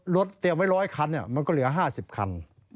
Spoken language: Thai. ลดเตรียมไว้๑๐๐คันค่ะมนก็เหรอ๕๐คัน